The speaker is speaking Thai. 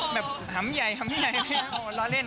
แบบหำใหญ่หำใหญ่เลยนะล้อเล่น